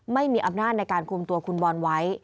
ไม่มีอำนาจในการคุมตัวคุณบอลไว้